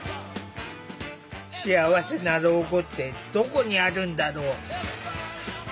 幸せな老後ってどこにあるんだろう？